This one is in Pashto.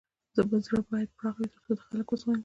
زړه بايد پراخه وي تر څو د خلک و زغمی.